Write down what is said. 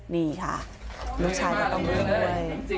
นี่ค่ะลูกชายก็ต้องเลี้ยงด้วย